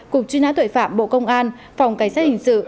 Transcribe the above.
cục chuyên án tuệ phạm bộ công an phòng cảnh sát hình sự